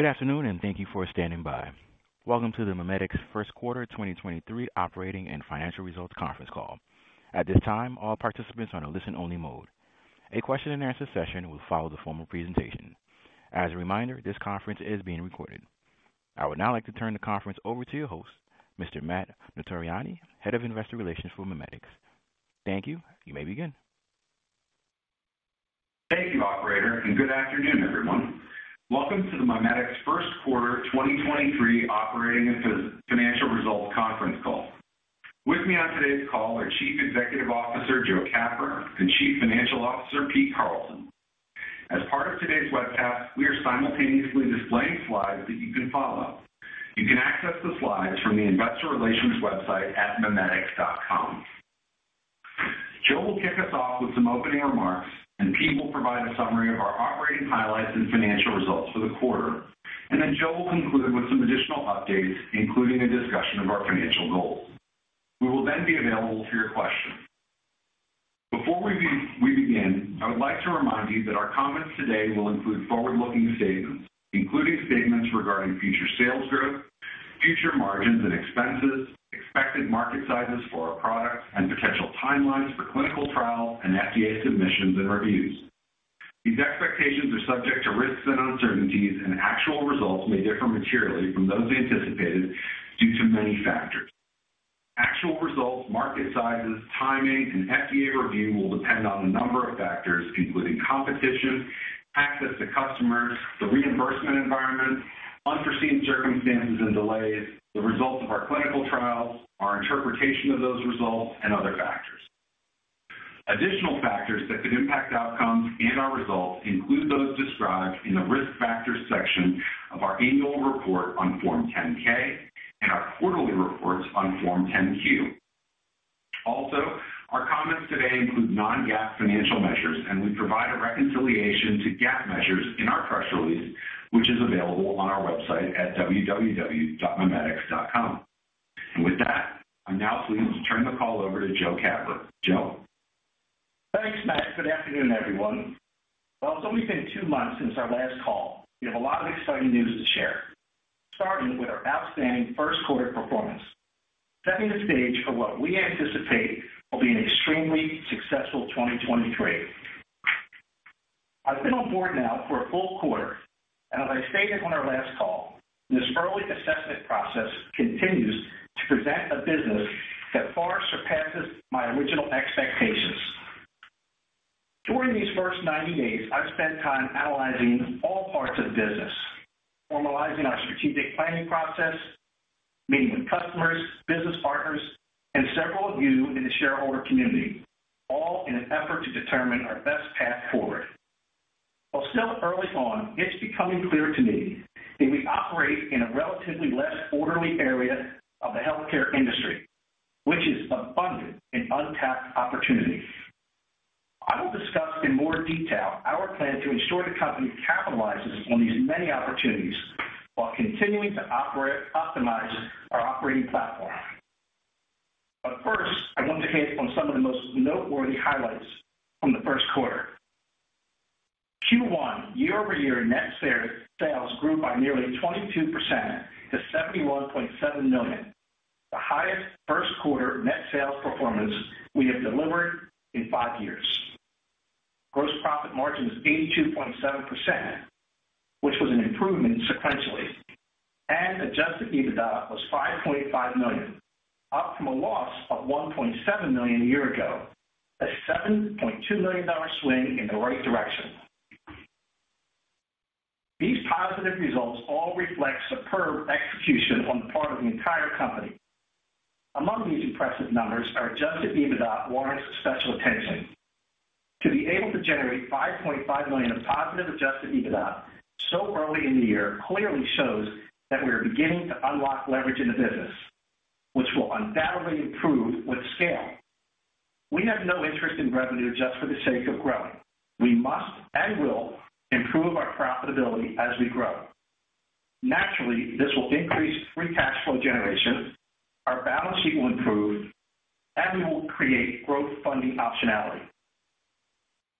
Good afternoon. Thank you for standing by. Welcome to the MiMedx First Quarter 2023 Operating and Financial Results Conference Call. At this time, all participants are in a listen-only mode. A question-and-answer session will follow the formal presentation. As a reminder, this conference is being recorded. I would now like to turn the conference over to your host, Mr. Matt Notarianni, Head of Investor Relations for MiMedx. Thank you. You may begin. Thank you, operator. Good afternoon, everyone. Welcome to the MiMedx First Quarter 2023 Operating and Financial Results Conference Call. With me on today's call are Chief Executive Officer, Joe Capper, and Chief Financial Officer, Pete Carlson. As part of today's webcast, we are simultaneously displaying slides that you can follow. You can access the slides from the investor relations website at mimedx.com. Joe will kick us off with some opening remarks. Pete will provide a summary of our operating highlights and financial results for the quarter. Joe will conclude with some additional updates, including a discussion of our financial goals. We will then be available for your questions. Before we begin, I would like to remind you that our comments today will include forward-looking statements, including statements regarding future sales growth, future margins and expenses, expected market sizes for our products, and potential timelines for clinical trials and FDA submissions and reviews. These expectations are subject to risks and uncertainties, and actual results may differ materially from those anticipated due to many factors. Actual results, market sizes, timing, and FDA review will depend on a number of factors, including competition, access to customers, the reimbursement environment, unforeseen circumstances and delays, the results of our clinical trials, our interpretation of those results, and other factors. Additional factors that could impact outcomes and our results include those described in the Risk Factors section of our annual report on Form 10-K and our quarterly reports on Form 10-Q. Our comments today include non-GAAP financial measures, and we provide a reconciliation to GAAP measures in our press release, which is available on our website at www.mimedx.com. With that, I'm now pleased to turn the call over to Joe Capper. Joe. Thanks, Matt. Good afternoon, everyone. While it's only been two months since our last call, we have a lot of exciting news to share, starting with our outstanding first quarter performance, setting the stage for what we anticipate will be an extremely successful 2023. I've been on board now for a full quarter, and as I stated on our last call, this early assessment process continues to present a business that far surpasses my original expectations. During these first 90 days, I've spent time analyzing all parts of the business, formalizing our strategic planning process, meeting with customers, business partners, and several of you in the shareholder community, all in an effort to determine our best path forward. While still early on, it's becoming clear to me that we operate in a relatively less orderly area of the healthcare industry, which is abundant in untapped opportunities. I will discuss in more detail our plan to ensure the company capitalizes on these many opportunities while continuing to optimize our operating platform. First, I want to hit on some of the most noteworthy highlights from the first quarter. Q1 year-over-year net sales grew by nearly 22% to $71.7 million, the highest first quarter net sales performance we have delivered in five years. Gross profit margin is 82.7%, which was an improvement sequentially. Adjusted EBITDA was $5.5 million, up from a loss of $1.7 million a year ago, a $7.2 million swing in the right direction. These positive results all reflect superb execution on the part of the entire company. Among these impressive numbers, our adjusted EBITDA warrants special attention. To be able to generate $5.5 million of positive adjusted EBITDA so early in the year clearly shows that we are beginning to unlock leverage in the business, which will undoubtedly improve with scale. We have no interest in revenue just for the sake of growing. We must, and will, improve our profitability as we grow. Naturally, this will increase free cash flow generation, our balance sheet will improve, and we will create growth funding optionality.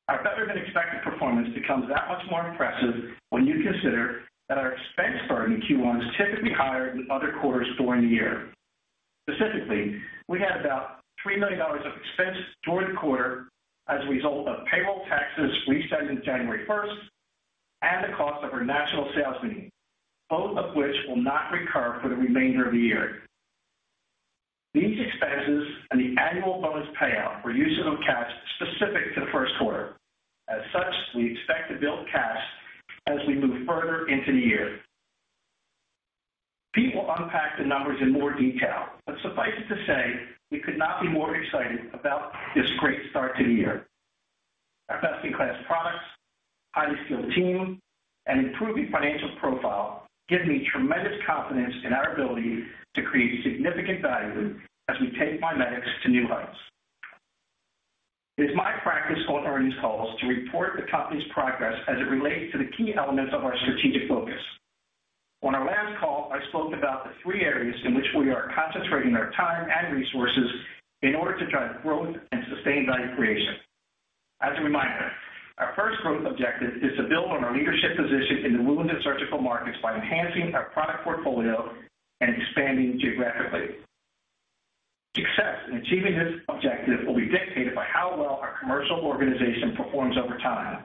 Our better-than-expected performance becomes that much more impressive when you consider that our expense burden in Q1 is typically higher than other quarters during the year. Specifically, we had about $3 million of expense during the quarter as a result of payroll taxes reset in January first and the cost of our national sales meeting, both of which will not recur for the remainder of the year. These expenses and the annual bonus payout were uses of cash specific to the first quarter. As such, we expect to build cash as we move further into the year. Pete will unpack the numbers in more detail, but suffice it to say, we could not be more excited about this great start to the year. Our best-in-class products, highly skilled team, and improving financial profile give me tremendous confidence in our ability to create significant value as we take MiMedx to new heights. It is my practice on earnings calls to report the company's progress as it relates to the key elements of our strategic focus. On our last call, I spoke about the three areas in which we are concentrating our time and resources in order to drive growth and sustain value creation. As a reminder, our first growth objective is to build on our leadership position in the Wound & Surgical markets by enhancing our product portfolio and expanding geographically. Success in achieving this objective will be dictated by how well our commercial organization performs over time.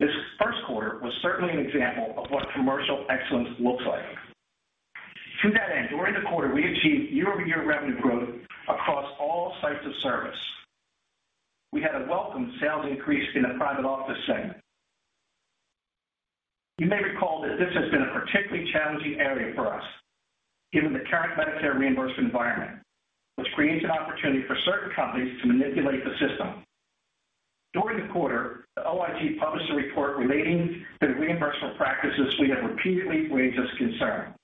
This first quarter was certainly an example of what commercial excellence looks like. To that end, during the quarter, we achieved year-over-year revenue growth across all sites of service. We had a welcome sales increase in the private office segment. You may recall that this has been a particularly challenging area for us given the current Medicare reimbursement environment, which creates an opportunity for certain companies to manipulate the system. During the quarter, the OIG published a report relating to the reimbursement practices we have repeatedly raised as concern.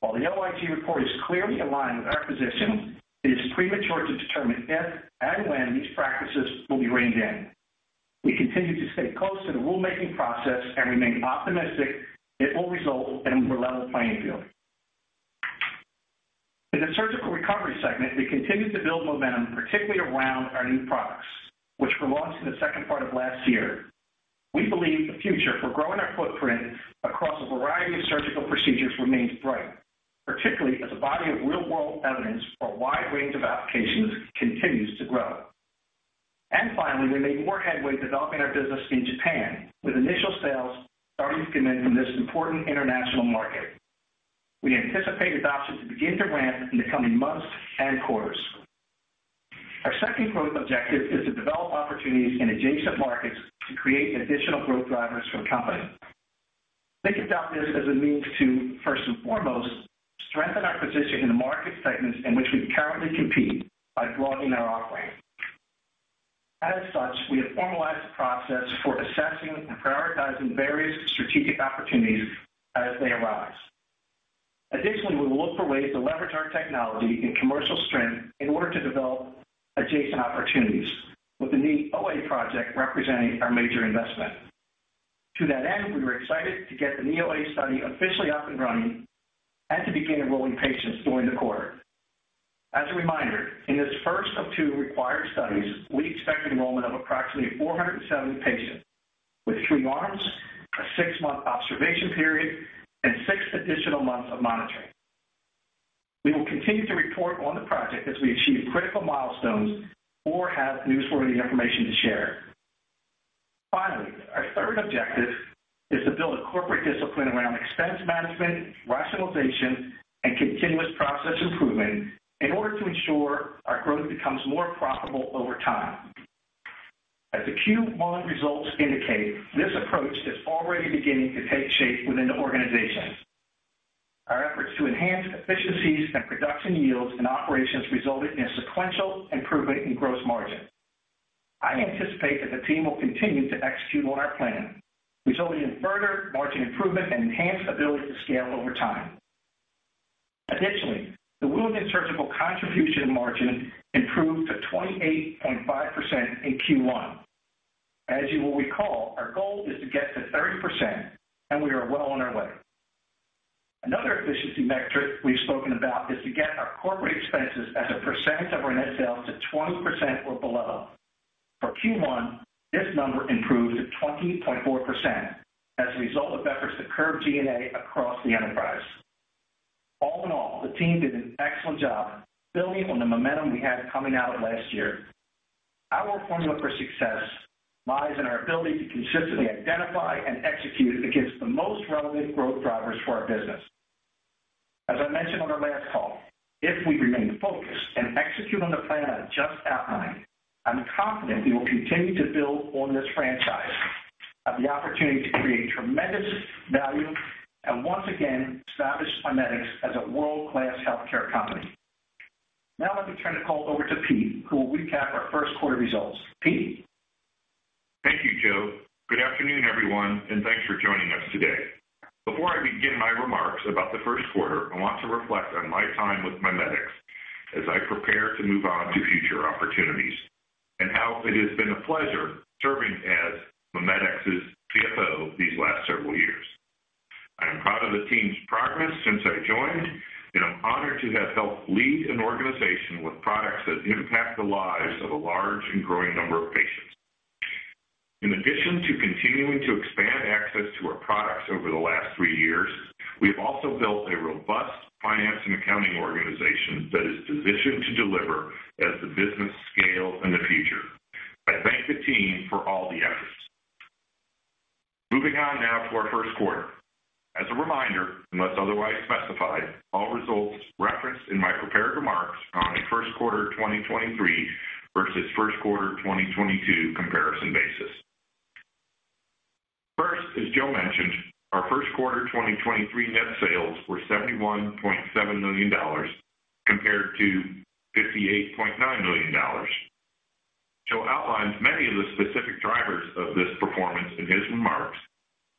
While the OIG report is clearly aligned with our position, it is premature to determine if and when these practices will be reined in. We continue to stay close to the rulemaking process and remain optimistic it will result in a level playing field. In the surgical recovery segment, we continued to build momentum, particularly around our new products, which were launched in the second part of last year. We believe the future for growing our footprint across a variety of surgical procedures remains bright, particularly as the body of real-world evidence for a wide range of applications continues to grow. Finally, we made more headway developing our business in Japan, with initial sales starting to come in from this important international market. We anticipate adoption to begin to ramp in the coming months and quarters. Our second growth objective is to develop opportunities in adjacent markets to create additional growth drivers for the company. Think about this as a means to, first and foremost, strengthen our position in the market segments in which we currently compete by broadening our offering. As such, we have formalized a process for assessing and prioritizing various strategic opportunities as they arise. Additionally, we will look for ways to leverage our technology and commercial strength in order to develop adjacent opportunities, with the Knee OA project representing our major investment. To that end, we were excited to get the Knee OA study officially up and running and to begin enrolling patients during the quarter. As a reminder, in this first of two required studies, we expect enrollment of approximately 470 patients with three arms, a six month observation period, and six additional months of monitoring. We will continue to report on the project as we achieve critical milestones or have newsworthy information to share. Finally, our third objective is to build a corporate discipline around expense management, rationalization, and continuous process improvement in order to ensure our growth becomes more profitable over time. As the Q1 results indicate, this approach is already beginning to take shape within the organization. Our efforts to enhance efficiencies and production yields and operations resulted in a sequential improvement in gross margin. I anticipate that the team will continue to execute on our plan, resulting in further margin improvement and enhanced ability to scale over time. Additionally, the Wound & Surgical contribution margin improved to 28.5% in Q1. As you will recall, our goal is to get to 30%, and we are well on our way. Another efficiency metric we've spoken about is to get our corporate expenses as a percent of our net sales to 20% or below. For Q1, this number improved to 20.4% as a result of efforts to curb G&A across the enterprise. All in all, the team did an excellent job building on the momentum we had coming out last year. Our formula for success lies in our ability to consistently identify and execute against the most relevant growth drivers for our business. As I mentioned on our last call, if we remain focused and execute on the plan I just outlined, I'm confident we will continue to build on this franchise, have the opportunity to create tremendous value, and once again establish MiMedx as a world-class healthcare company. Let me turn the call over to Pete, who will recap our first quarter results. Pete? Thank you, Joe. Good afternoon, everyone, and thanks for joining us today. Before I begin my remarks about the first quarter, I want to reflect on my time with MiMedx as I prepare to move on to future opportunities and how it has been a pleasure serving as MiMedx's CFO these last several years. I am proud of the team's progress since I joined, and I'm honored to have helped lead an organization with products that impact the lives of a large and growing number of patients.In addition to continuing to expand access to our products over the last three years, we've also built a robust finance and accounting organization that is positioned to deliver as the business scales in the future. I thank the team for all the efforts. Moving on now to our first quarter. As a reminder, unless otherwise specified, all results referenced in my prepared remarks are on a first quarter 2023 versus first quarter 2022 comparison basis. First, as Joe mentioned, our first quarter 2023 net sales were $71.7 million compared to $58.9 million. Joe outlines many of the specific drivers of this performance in his remarks,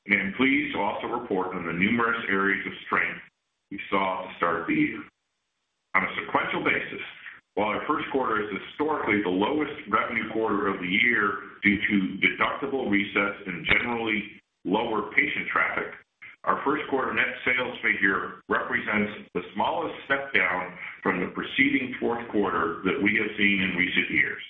and I'm pleased to also report on the numerous areas of strength we saw to start the year. On a sequential basis, while our first quarter is historically the lowest revenue quarter of the year due to deductible resets and generally lower patient traffic, our first quarter net sales figure represents the smallest step down from the preceding fourth quarter that we have seen in recent years.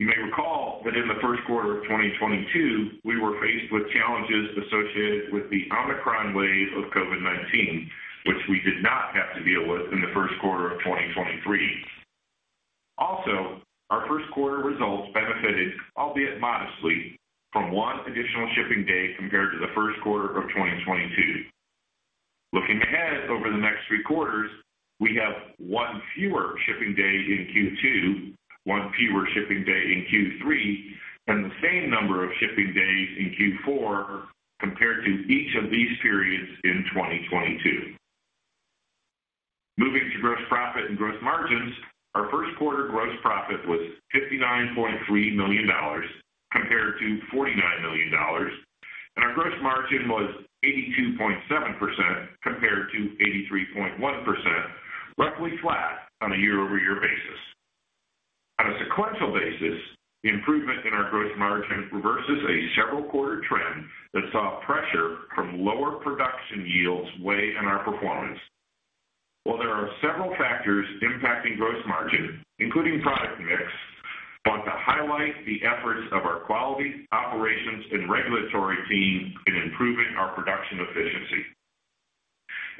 You may recall that in the first quarter of 2022, we were faced with challenges associated with the Omicron wave of COVID-19, which we did not have to deal with in the first quarter of 2023. Our first quarter results benefited, albeit modestly, from one additional shipping day compared to the first quarter of 2022. Looking ahead over the next three quarters, we have one fewer shipping day in Q2, one fewer shipping day in Q3, and the same number of shipping days in Q4 compared to each of these periods in 2022. Moving to gross profit and gross margins. Our first quarter gross profit was $59.3 million compared to $49 million, and our gross margin was 82.7% compared to 83.1%, roughly flat on a year-over-year basis. On a sequential basis, the improvement in our gross margin reverses a several quarter trend that saw pressure from lower production yields weigh in our performance. While there are several factors impacting gross margin, including product mix, I want to highlight the efforts of our quality, operations and regulatory teams in improving our production efficiency.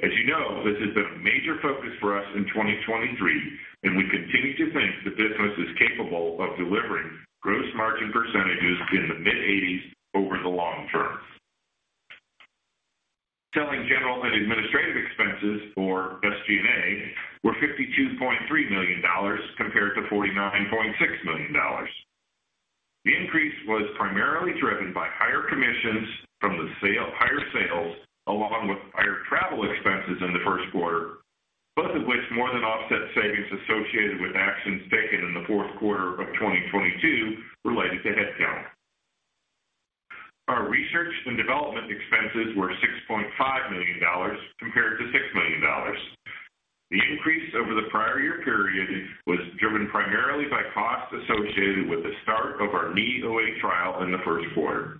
As you know, this has been a major focus for us in 2023, and we continue to think the business is capable of delivering gross margin % in the mid-80s over the long term. Selling, general and administrative expenses or SG&A were $52.3 million compared to $49.6 million. The increase was primarily driven by higher sales along with higher travel expenses in the first quarter, both of which more than offset savings associated with actions taken in the fourth quarter of 2022 related to headcount. Our research and development expenses were $6.5 million compared to $6 million. The increase over the prior year period was driven primarily by costs associated with the start of our Knee OA trial in the first quarter.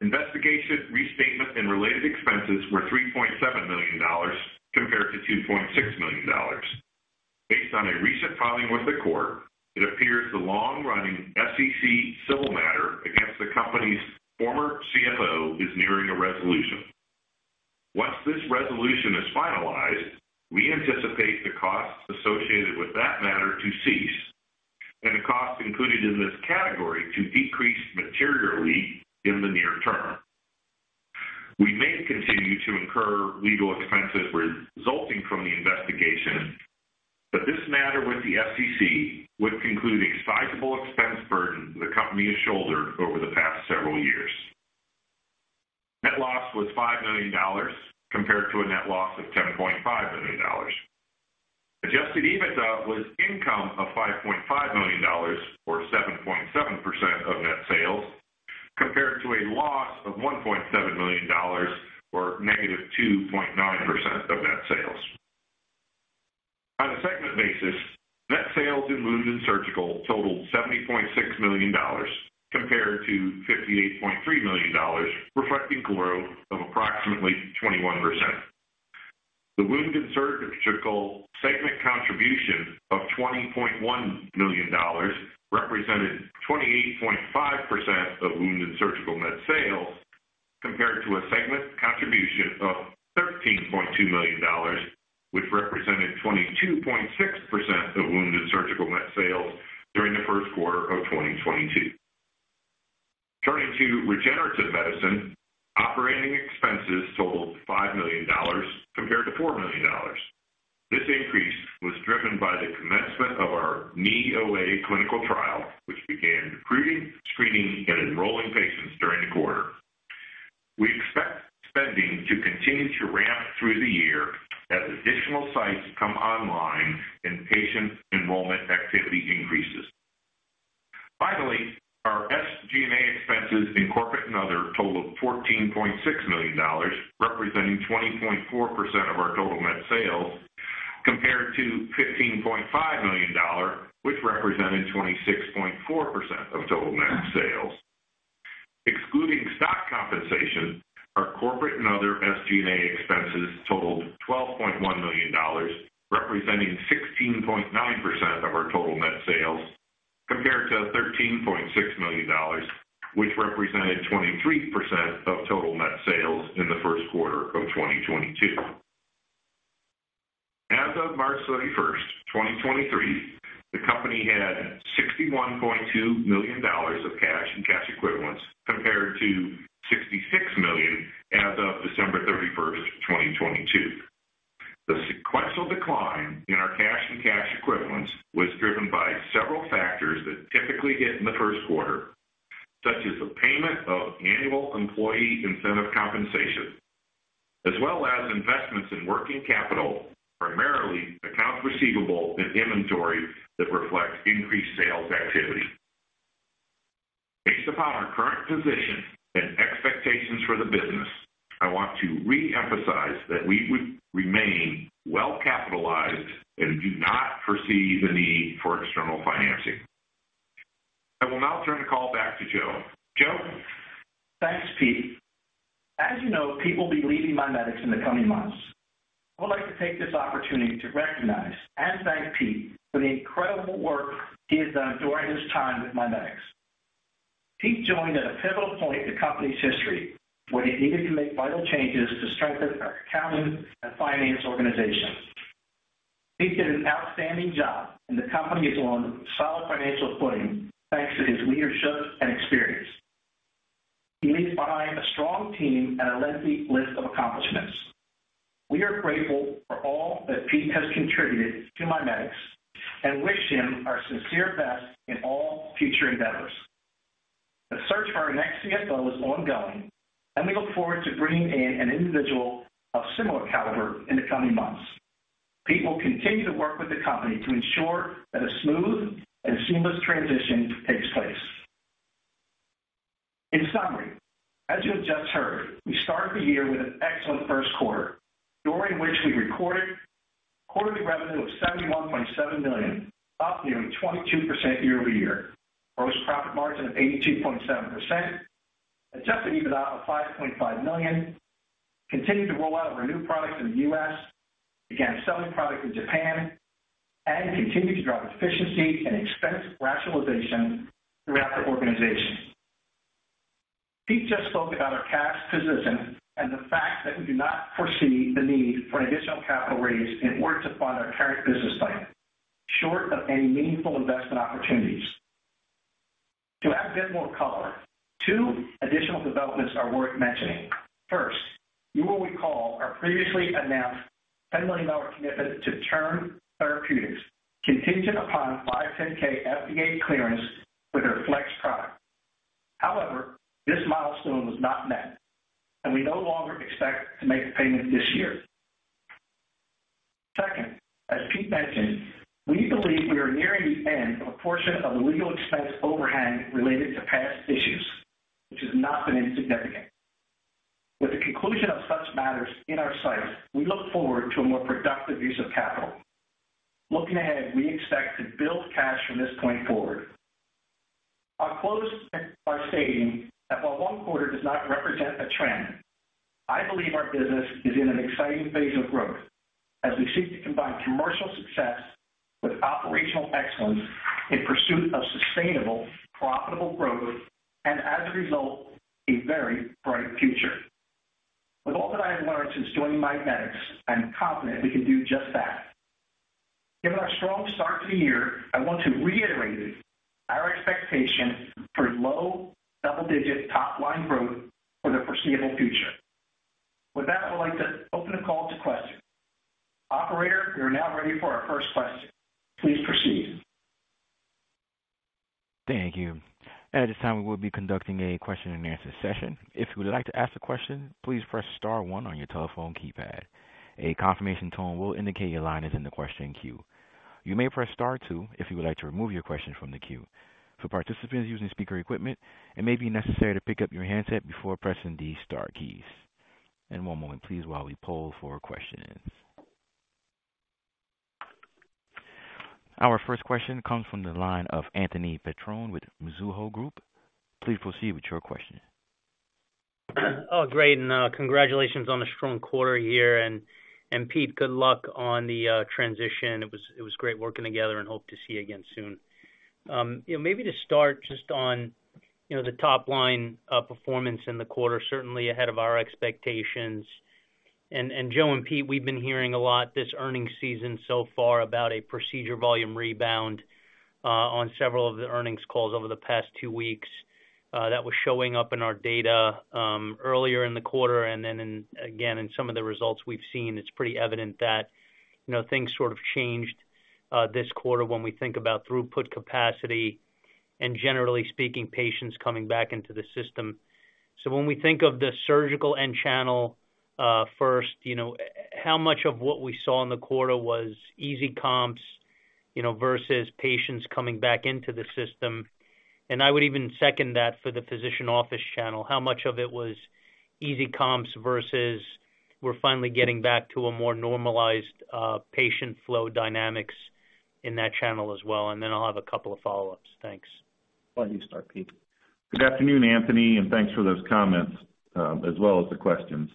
Investigation, restatement and related expenses were $3.7 million compared to $2.6 million. Based on a recent filing with the court, it appears the long-running SEC civil matter against the company's former CFO is nearing a resolution. Once this resolution is finalized, we anticipate the costs associated with that matter to cease and the costs included in this category to decrease materially in the near term. We may continue to incur legal expenses resulting from the investigation, but this matter with the SEC would conclude a sizable expense burden the company has shouldered over the past several years. Net loss was $5 million compared to a net loss of $10.5 million. Adjusted EBITDA was income of $5.5 million or 7.7% of net sales, compared to a loss of $1.7 million or negative 2.9% of net sales. On a segment basis, net sales in Wound & Surgical totaled $70.6 million compared to $58.3 million, reflecting growth of approximately 21%. The Wound & Surgical segment contribution of $20.1 million represented 28.5% of Wound & Surgical net sales, compared to a segment contribution of $13.2 million, which represented 22.6% of Wound & Surgical net sales during the first quarter of 2022. Turning to Regenerative Medicine. Operating expenses totaled $5 million compared to $4 million. This increase was driven by the commencement of our Knee OA clinical trial, which began recruiting, screening and enrolling patients during the quarter. We expect spending to continue to ramp through the year as additional sites come online and patient enrollment activity increases. Finally, our SG&A expenses in Corporate & Other totaled $14.6 million, representing 20.4% of our total net sales, compared to $15.5 million, which represented 26.4% of total net sales. Excluding stock compensation, our Corporate & Other SG&A expenses totaled $12.1 million, representing 16.9% of our total net sales, compared to $13.6 million, which represented 23% of total net sales in the first quarter of 2022. As of 31st March, 2023, the company had $61.2 million of cash and cash equivalents compared to $66 million as of 31st December, 2022. The sequential decline in our cash and cash equivalents was driven by several factors that typically hit in the first quarter, such as the payment of annual employee incentive compensation, as well as investments in working capital, primarily accounts receivable and inventory that reflect increased sales activity. Based upon our current position and expectations for the business, I want to reemphasize that we would remain well capitalized and do not foresee the need for external financing. I will now turn the call back to Joe. Joe? Thanks, Pete. As you know, Pete will be leaving MiMedx in the coming months. I would like to take this opportunity to recognize and thank Pete for the incredible work he has done during his time with MiMedx. Pete joined at a pivotal point in the company's history, when it needed to make vital changes to strengthen our accounting and finance organization. Pete did an outstanding job, and the company is on solid financial footing thanks to his leadership and experience. He leaves behind a strong team and a lengthy list of accomplishments. We are grateful for all that Pete has contributed to MiMedx and wish him our sincere best in all future endeavors. The search for our next CFO is ongoing, and we look forward to bringing in an individual of similar caliber in the coming months. Pete will continue to work with the company to ensure that a smooth and seamless transition takes place. In summary, as you have just heard, we started the year with an excellent first quarter, during which we recorded quarterly revenue of $71.7 million, up nearly 22% year-over-year. Gross profit margin of 82.7%. Adjusted EBITDA of $5.5 million. Continued to roll out of our new products in the U.S. began selling product in Japan, and continued to drive efficiency and expense rationalization throughout the organization. Pete just spoke about our cash position and the fact that we do not foresee the need for an additional capital raise in order to fund our current business plan short of any meaningful investment opportunities. To add a bit more color, two additional developments are worth mentioning. First, you will recall our previously announced $10 million commitment to Turn Therapeutics contingent upon 510(k) FDA clearance for their FleX product. However, this milestone was not met, and we no longer expect to make the payment this year. Second, as Pete mentioned, we believe we are nearing the end of a portion of legal expense overhang related to past issues, which has not been insignificant. With the conclusion of such matters in our sight, we look forward to a more productive use of capital. Looking ahead, we expect to build cash from this point forward. I'll close by stating that while one quarter does not represent a trend, I believe our business is in an exciting phase of growth as we seek to combine commercial success with operational excellence in pursuit of sustainable, profitable growth, and as a result, a very bright future. With all that I have learned since joining MiMedx, I am confident we can do just that. Given our strong start to the year, I want to reiterate our expectation for low double-digit top-line growth for the foreseeable future. With that, I'd like to open the call to questions. Operator, we are now ready for our first question. Please proceed. Thank you. At this time, we will be conducting a question-and-answer session. If you would like to ask a question, please press star one on your telephone keypad. A confirmation tone will indicate your line is in the question queue. You may press star two if you would like to remove your question from the queue. For participants using speaker equipment, it may be necessary to pick up your handset before pressing the star keys. One moment, please, while we poll for questions. Our first question comes from the line of Anthony Petrone with Mizuho Securities. Please proceed with your question. Oh, great. Congratulations on the strong quarter here. Pete, good luck on the transition. It was great working together and hope to see you again soon. You know, maybe to start just on, you know, the top-line performance in the quarter, certainly ahead of our expectations. Joe and Pete, we've been hearing a lot this earnings season so far about a procedure volume rebound on several of the earnings calls over the past two weeks. That was showing up in our data earlier in the quarter. Then in, again, in some of the results we've seen, it's pretty evident that, you know, things sort of changed this quarter when we think about throughput capacity and generally speaking, patients coming back into the system. When we think of the surgical end channel, first, you know, how much of what we saw in the quarter was easy comps, you know, versus patients coming back into the system? I would even second that for the physician office channel. How much of it was easy comps versus we're finally getting back to a more normalized patient flow dynamics in that channel as well? Then I'll have a couple of follow-ups. Thanks. Why don't you start, Pete? Good afternoon, Anthony, and thanks for those comments, as well as the questions.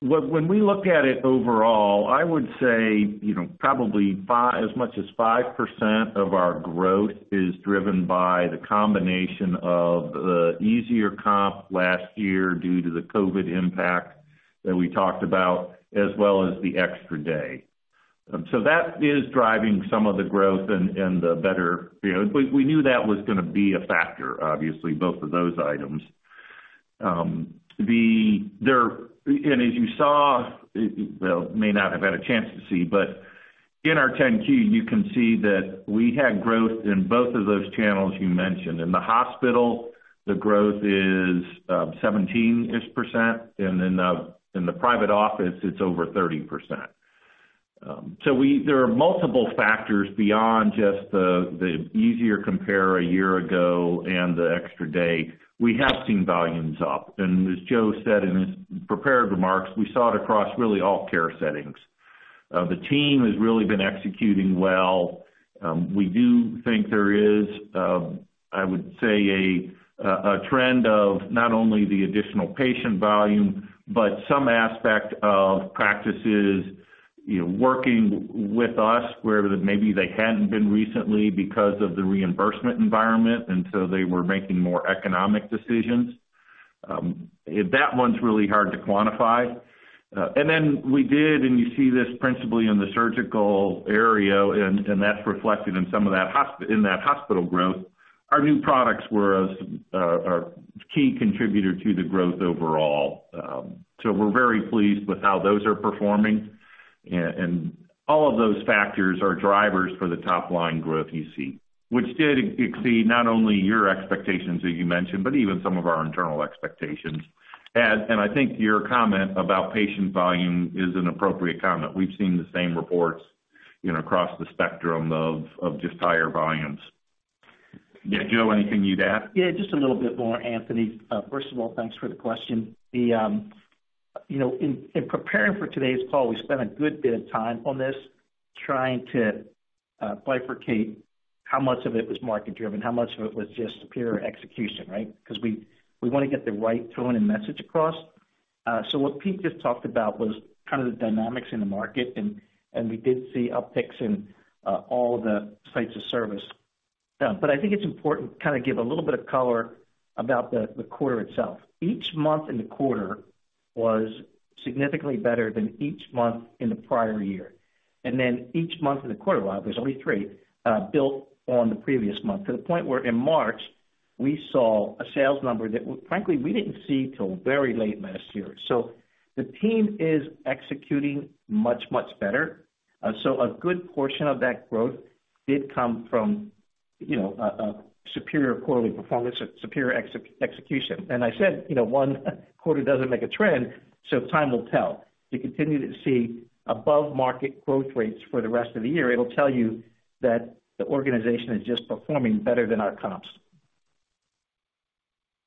When we look at it overall, I would say, you know, probably as much as 5% of our growth is driven by the combination of the easier comp last year due to the COVID impact that we talked about as well as the extra day. That is driving some of the growth. You know, we knew that was gonna be a factor, obviously, both of those items. As you saw, well, may not have had a chance to see, but in our 10-Q, you can see that we had growth in both of those channels you mentioned. In the hospital, the growth is 17%-ish, in the private office, it's over 30%. There are multiple factors beyond just the easier compare a year ago and the extra day. We have seen volumes up. As Joe said in his prepared remarks, we saw it across really all care settings. The team has really been executing well. We do think there is, I would say, a trend of not only the additional patient volume, but some aspect of practices, you know, working with us, where maybe they hadn't been recently because of the reimbursement environment, and so they were making more economic decisions. That one's really hard to quantify. Then we did, and you see this principally in the surgical area, and that's reflected in some of that hospital growth. Our new products are key contributor to the growth overall. We're very pleased with how those are performing. All of those factors are drivers for the top line growth you see, which did exceed not only your expectations that you mentioned, but even some of our internal expectations. I think your comment about patient volume is an appropriate comment. We've seen the same reports, you know, across the spectrum of just higher volumes. Yeah, Joe, anything you'd add? Just a little bit more, Anthony. First of all, thanks for the question. You know, in preparing for today's call, we spent a good bit of time on this trying to bifurcate how much of it was market driven, how much of it was just pure execution, right? 'Cause we wanna get the right tone and message across. What Pete just talked about was kind of the dynamics in the market and we did see upticks in all the sites of service. I think it's important to kind of give a little bit of color about the quarter itself. Each month in the quarter was significantly better than each month in the prior year. Each month in the quarter, while there's only three, built on the previous month, to the point where in March, we saw a sales number that frankly, we didn't see till very late last year. The team is executing much better. A good portion of that growth did come from, you know, a superior quarterly performance, a superior execution. I said, you know, one quarter doesn't make a trend, so time will tell. If you continue to see above market growth rates for the rest of the year, it'll tell you that the organization is just performing better than our comps.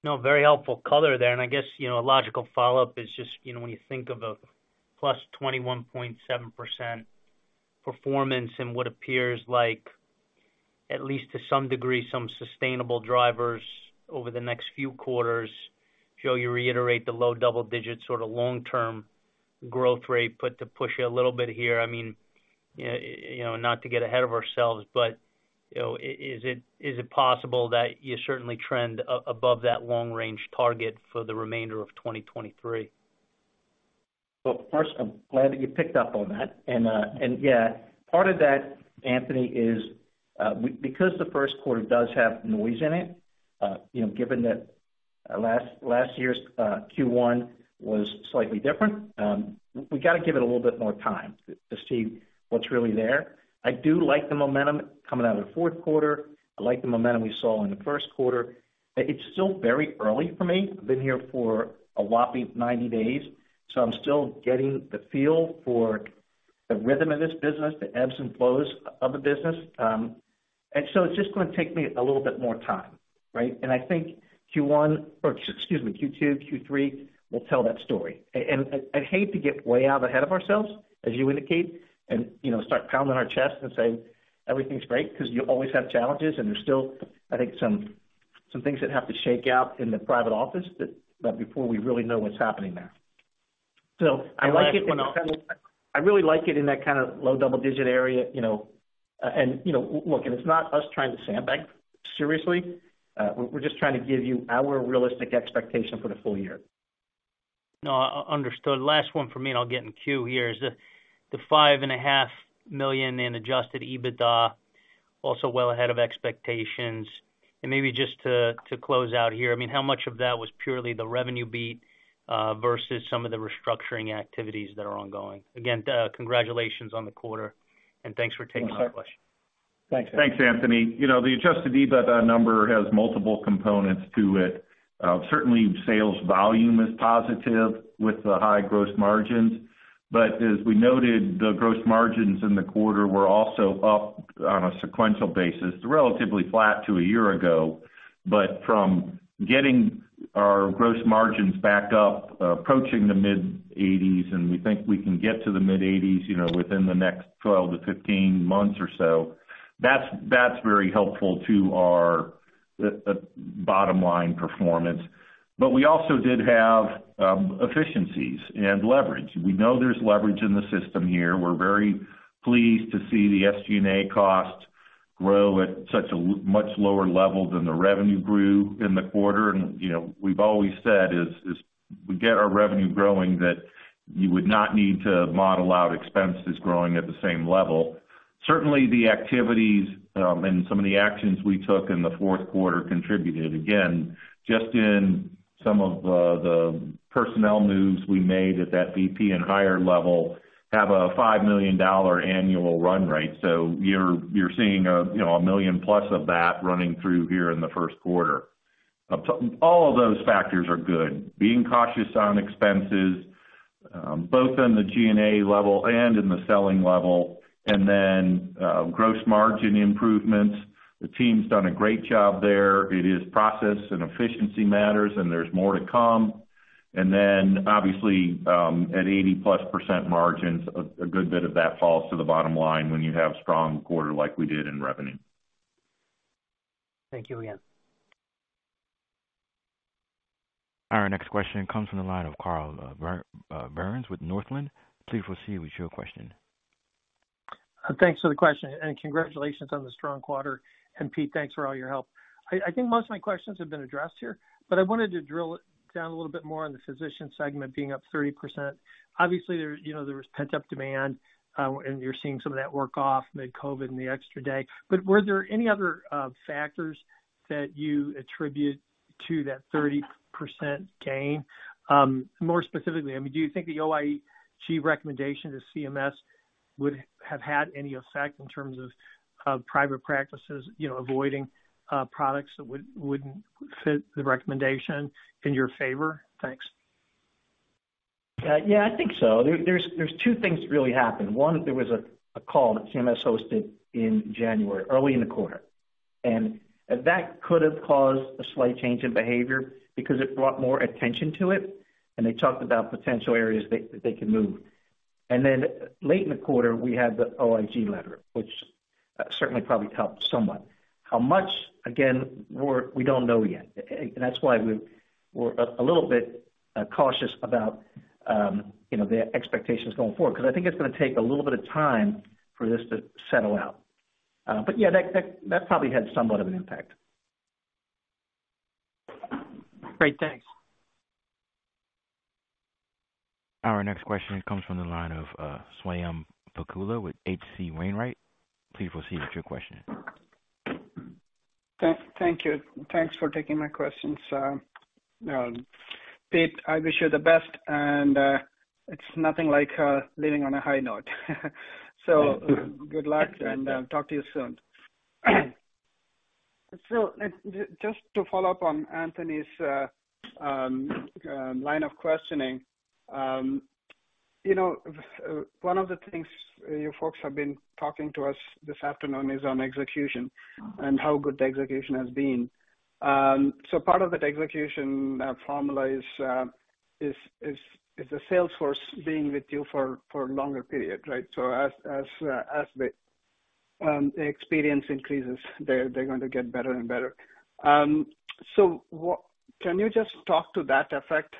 No, very helpful color there. I guess, you know, a logical follow-up is just, you know, when you think of a +21.7% performance and what appears like, at least to some degree, some sustainable drivers over the next few quarters. Joe, you reiterate the low double digit sort of long-term growth rate, but to push you a little bit here, I mean, you know, not to get ahead of ourselves, but, you know, is it possible that you certainly trend above that long range target for the remainder of 2023? Well, first, I'm glad that you picked up on that. Yeah, part of that, Anthony, is because the first quarter does have noise in it, you know, given that last year's Q1 was slightly different, we gotta give it a little bit more time to see what's really there. I do like the momentum coming out of the fourth quarter. I like the momentum we saw in the first quarter. It's still very early for me. I've been here for a whopping 90 days, so I'm still getting the feel for the rhythm of this business, the ebbs and flows of the business. It's just gonna take me a little bit more time, right? I think Q1, or excuse me, Q2, Q3 will tell that story. I'd hate to get way out ahead of ourselves, as you indicate, and, you know, start pounding our chest and say everything's great, 'cause you always have challenges and there's still, I think, some things that have to shake out in the private office that before we really know what's happening there. I like it. I really like it in that kind of low double-digit area, you know. You know, look, it's not us trying to sandbag, seriously. We're just trying to give you our realistic expectation for the full year. No, understood. Last one for me, and I'll get in queue here, is the $5.5 million in adjusted EBITDA, also well ahead of expectations. Maybe just to close out here, I mean, how much of that was purely the revenue beat versus some of the restructuring activities that are ongoing? Again, congratulations on the quarter and thanks for taking our questions. Thanks. Thanks, Anthony. You know, the adjusted EBITDA number has multiple components to it. Certainly sales volume is positive with the high gross margins. As we noted, the gross margins in the quarter were also up on a sequential basis, relatively flat to a year-ago. From getting our gross margins back up, approaching the mid-80s, and we think we can get to the mid-80s, you know, within the next 12-15 months or so, that's very helpful to our bottom line performance. We also did have efficiencies and leverage. We know there's leverage in the system here. We're very pleased to see the SG&A cost grow at such a much lower level than the revenue grew in the quarter. You know, we've always said is we get our revenue growing that you would not need to model out expenses growing at the same level. Certainly, the activities, and some of the actions we took in the fourth quarter contributed. Again, just in some of the personnel moves we made at that VP and higher level have a $5 million annual run rate. You're seeing a, you know, a $1 million plus of that running through here in the first quarter. All of those factors are good. Being cautious on expenses, both in the G&A level and in the selling level, and then, gross margin improvements. The team's done a great job there. It is process and efficiency matters, and there's more to come. Obviously, at 80%+ margins, a good bit of that falls to the bottom line when you have strong quarter like we did in revenue. Thank you again. Our next question comes from the line of Carl Byrnes with Northland Securities. Please proceed with your question. Thanks for the question and congratulations on the strong quarter. Pete, thanks for all your help. I think most of my questions have been addressed here, but I wanted to drill it down a little bit more on the physician segment being up 30%. Obviously, you know, there was pent-up demand, and you're seeing some of that work off mid-COVID and the extra day. Were there any other factors that you attribute to that 30% gain? More specifically, I mean, do you think the OIG recommendation to CMS would have had any effect in terms of private practices, you know, avoiding products that wouldn't fit the recommendation in your favor? Thanks. Yeah, I think so. There's two things that really happened. One, there was a call that CMS hosted in January, early in the quarter. That could have caused a slight change in behavior because it brought more attention to it, and they talked about potential areas that they can move. Then late in the quarter, we had the OIG letter, which certainly probably helped somewhat. How much? Again, we don't know yet. That's why we're a little bit cautious about, you know, the expectations going forward, because I think it's going to take a little bit of time for this to settle out. Yeah, that probably had somewhat of an impact. Great. Thanks. Our next question comes from the line of, Swayampakula with H.C. Wainwright. Please proceed with your question. Thank you. Thanks for taking my questions. Pete, I wish you the best, and it's nothing like leaving on a high note. Good luck and talk to you soon. Just to follow up on Anthony's line of questioning, you know, one of the things you folks have been talking to us this afternoon is on execution and how good the execution has been. Part of that execution formula is the sales force being with you for a longer period, right? As the experience increases, they're going to get better and better. Can you just talk to that effect?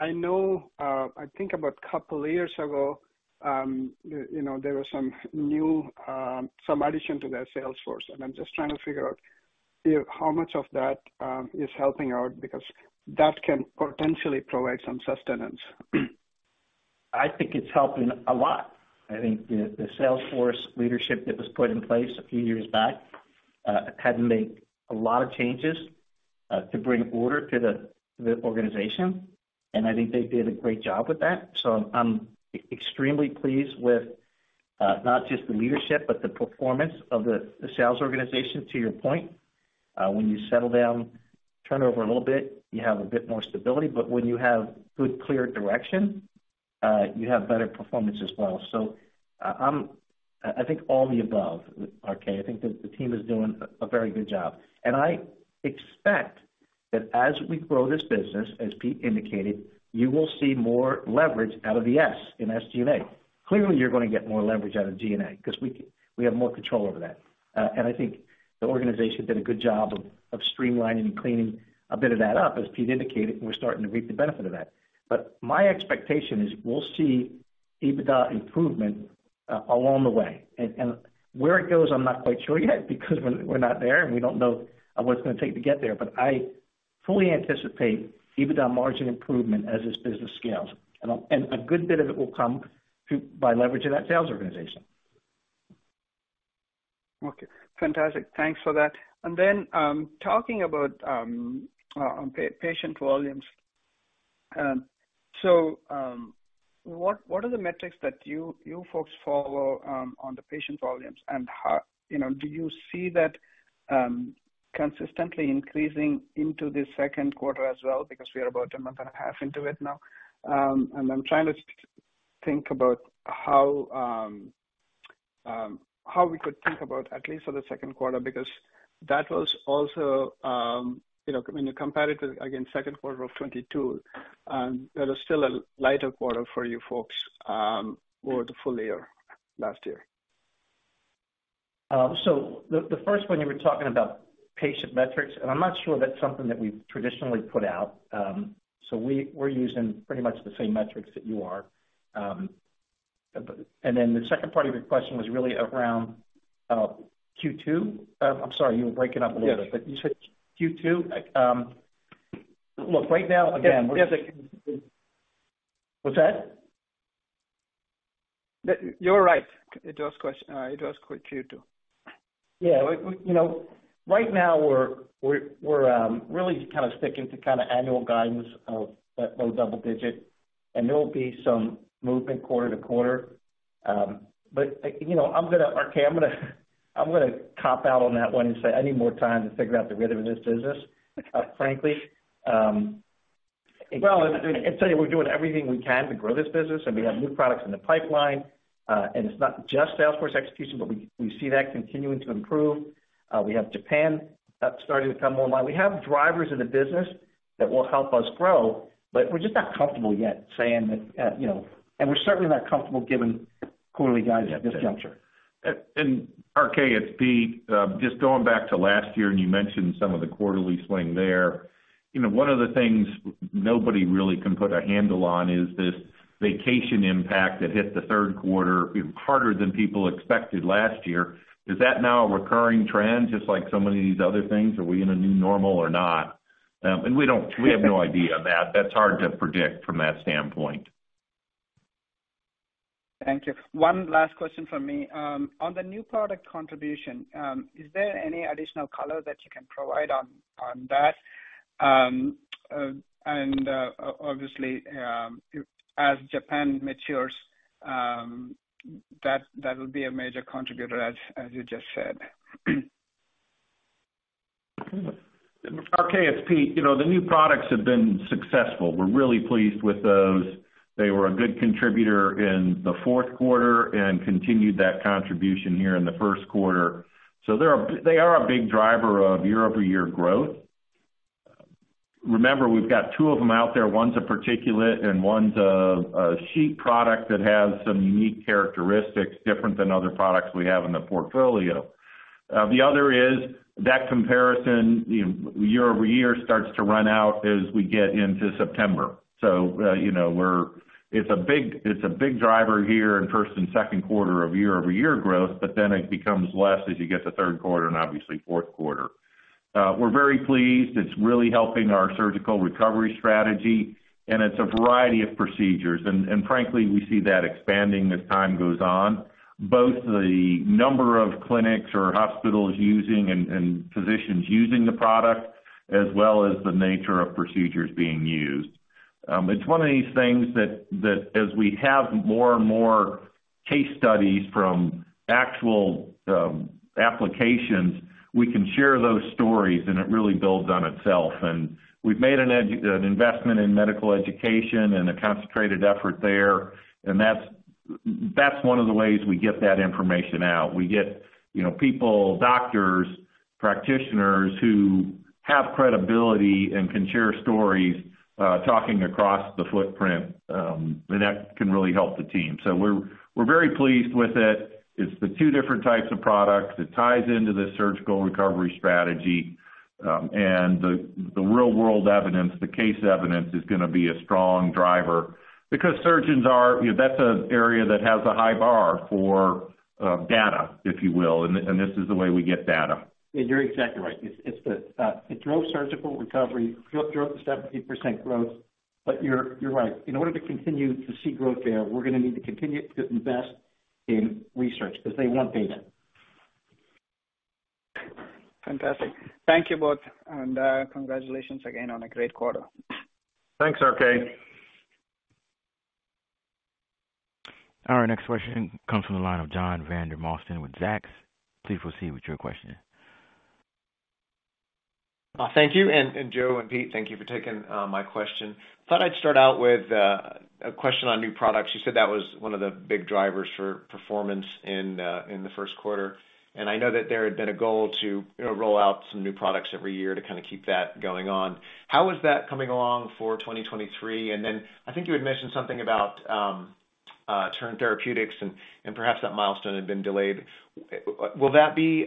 I know, I think about couple of years ago, you know, there were some new, some addition to their sales force, and I'm just trying to figure out how much of that is helping out because that can potentially provide some sustenance. I think it's helping a lot. I think the sales force leadership that was put in place a few years back, had to make a lot of changes, to bring order to the organization, and I think they did a great job with that. I'm extremely pleased with, not just the leadership but the performance of the sales organization. To your point, when you settle down, turn over a little bit, you have a bit more stability. When you have good, clear direction, you have better performance as well. I think all the above, RK. I think the team is doing a very good job. I expect that as we grow this business, as Pete indicated, you will see more leverage out of the S in SG&A. Clearly, you're going to get more leverage out of G&A because we have more control over that. I think the organization did a good job of streamlining and cleaning a bit of that up, as Pete indicated, and we're starting to reap the benefit of that. My expectation is we'll see EBITDA improvement along the way. Where it goes, I'm not quite sure yet because we're not there, and we don't know what it's going to take to get there. I fully anticipate EBITDA margin improvement as this business scales. A good bit of it will come through by leveraging that sales organization. Okay, fantastic. Thanks for that. Then, talking about patient volumes. So, what are the metrics that you folks follow on the patient volumes and how you know, do you see that consistently increasing into the second quarter as well? We are about a month and a half into it now. I'm trying to think about how we could think about at least for the second quarter, because that was also, you know, when you compare it with again second quarter of 2022, that is still a lighter quarter for you folks over the full year last year. The, the first one, you were talking about patient metrics, and I'm not sure that's something that we've traditionally put out. Then the second part of your question was really around, Q2. I'm sorry, you were breaking up a little bit. Yes. you said Q2. look, right now. Yes. What's that? You're right. It was it was Q2. Yeah. We, you know, right now we're really kind of sticking to kind of annual guidance of that low double-digit, there will be some movement quarter to quarter. You know, RK, I'm gonna cop out on that one and say I need more time to figure out the rhythm of this business, frankly. Well, I'll tell you, we're doing everything we can to grow this business, we have new products in the pipeline. It's not just sales force execution, but we see that continuing to improve. We have Japan starting to come online. We have drivers in the business that will help us grow, but we're just not comfortable yet saying that, you know... We're certainly not comfortable giving quarterly guidance at this juncture. RK, it's Pete. Just going back to last year, you mentioned some of the quarterly swing there. You know, one of the things nobody really can put a handle on is this vacation impact that hit the third quarter harder than people expected last year. Is that now a recurring trend, just like so many of these other things? Are we in a new normal or not? We have no idea on that. That's hard to predict from that standpoint. Thank you. One last question from me. On the new product contribution, is there any additional color that you can provide on that? Obviously, as Japan matures, that will be a major contributor, as you just said. RK, it's Pete. You know, the new products have been successful. We're really pleased with those. They were a good contributor in the fourth quarter and continued that contribution here in the first quarter. They are a big driver of year-over-year growth. Remember, we've got two of them out there. One's a particulate and one's a sheet product that has some unique characteristics, different than other products we have in the portfolio. The other is that comparison year-over-year starts to run out as we get into September. It's a big driver here in first and second quarter of year-over-year growth, but then it becomes less as you get to third quarter and obviously fourth quarter. We're very pleased. It's really helping our surgical recovery strategy, and it's a variety of procedures. Frankly, we see that expanding as time goes on. Both the number of clinics or hospitals using and physicians using the product, as well as the nature of procedures being used. It's one of these things that as we have more and more case studies from actual applications, we can share those stories and it really builds on itself. We've made an investment in medical education and a concentrated effort there, and that's one of the ways we get that information out. We get, you know, people, doctors, practitioners who have credibility and can share stories, talking across the footprint, and that can really help the team. We're very pleased with it. It's the two different types of products. It ties into the surgical recovery strategy, and the real world evidence, the case evidence is gonna be a strong driver because surgeons are. You know, that's an area that has a high bar for data, if you will, and this is the way we get data. You're exactly right. It's the it drove surgical recovery, drove the 78% growth. You're right. In order to continue to see growth there, we're going to need to continue to invest in research because they want data. Fantastic. Thank you both, and, congratulations again on a great quarter. Thanks, RK. Our next question comes from the line of John Vandermosten with Zacks. Please proceed with your question. Thank you. Joe and Pete, thank you for taking my question. Thought I'd start out with a question on new products. You said that was one of the big drivers for performance in the first quarter. I know that there had been a goal to, you know, roll out some new products every year to kinda keep that going on. How is that coming along for 2023? Then I think you had mentioned something about Turn Therapeutics and perhaps that milestone had been delayed. Will that be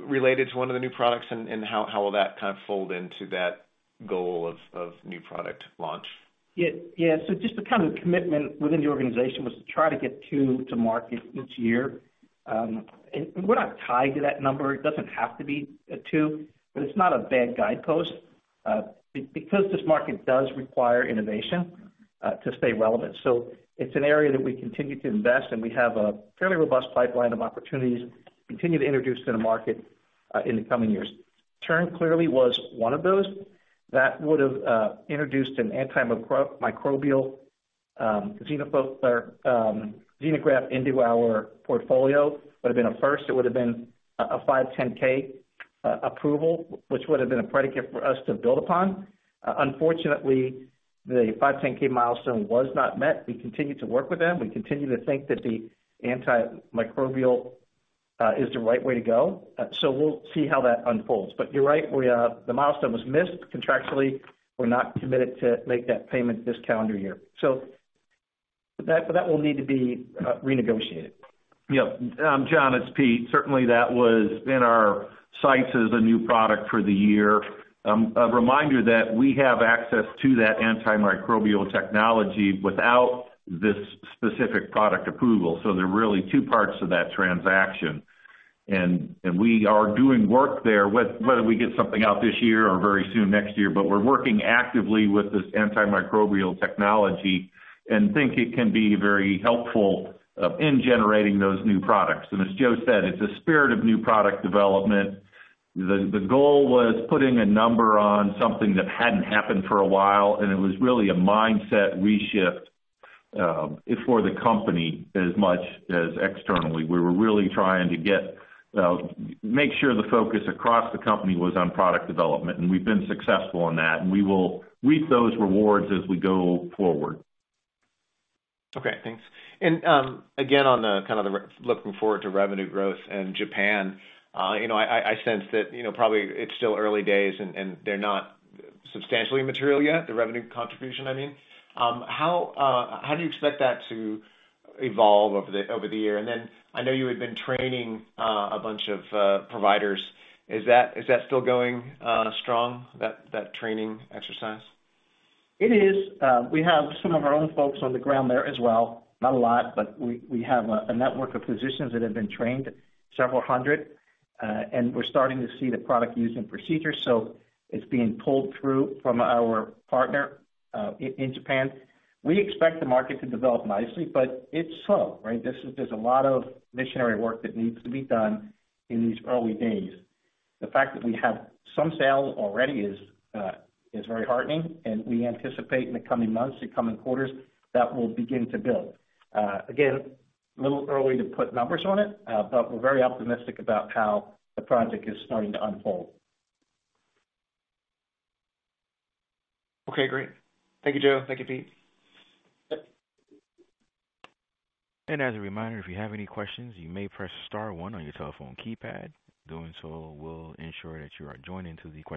related to one of the new products, and how will that kind of fold into that goal of new product launch? Yeah. Yeah. Just the kind of commitment within the organization was to try to get two to market each year. We're not tied to that number. It doesn't have to be two, but it's not a bad guidepost because this market does require innovation to stay relevant. It's an area that we continue to invest, and we have a fairly robust pipeline of opportunities to continue to introduce to the market in the coming years. Turn clearly was one of those that would've introduced an antimicrobial xenograft into our portfolio. Would have been a first. It would have been a 510(k) approval, which would have been a predicate for us to build upon. Unfortunately, the 510(k) milestone was not met. We continue to work with them. We continue to think that the antimicrobial is the right way to go. We'll see how that unfolds. You're right, we, the milestone was missed contractually. We're not committed to make that payment this calendar year. That, but that will need to be renegotiated. John Vandermosten, it's Pete Carlson. That was in our sights as a new product for the year. A reminder that we have access to that antimicrobial technology without this specific product approval. There are really two parts to that transaction. We are doing work there, whether we get something out this year or very soon next year. We're working actively with this antimicrobial technology and think it can be very helpful in generating those new products. As Joe Capper said, it's a spirit of new product development. The goal was putting a number on something that hadn't happened for a while, and it was really a mindset reshift for the company as much as externally. We were really trying to get make sure the focus across the company was on product development, and we've been successful in that, and we will reap those rewards as we go forward. Okay, thanks. Again, on the kind of the looking forward to revenue growth and Japan, you know, I sense that, you know, probably it's still early days and they're not substantially material yet, the revenue contribution, I mean. How do you expect that to evolve over the year? I know you had been training a bunch of providers. Is that still going strong, that training exercise? It is. We have some of our own folks on the ground there as well. Not a lot, but we have a network of physicians that have been trained, several hundred, and we're starting to see the product used in procedures, so it's being pulled through from our partner in Japan. We expect the market to develop nicely, it's slow, right? There's a lot of missionary work that needs to be done in these early days. The fact that we have some sales already is very heartening, and we anticipate in the coming months, the coming quarters, that will begin to build. Again, a little early to put numbers on it, but we're very optimistic about how the product is starting to unfold. Okay, great. Thank you, Joe. Thank you, Pete. Yep. As a reminder, if you have any questions, you may press star one on your telephone keypad. Doing so will ensure that you are joined into the que.